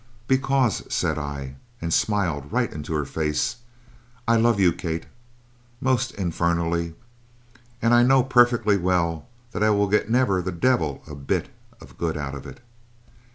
"'Because,' said I, and smiled right into her face, 'I love you, Kate, most infernally; and I know perfectly well that I will get never the devil a bit of good out of it.'